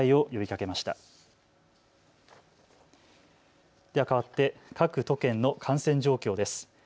かわって各都県の感染状況です。